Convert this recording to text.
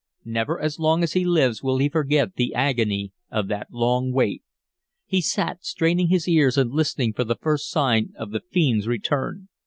Never as long as he lives will he forget the agony of that long wait. He sat straining his ears and listening for the first sign of the fiend's return.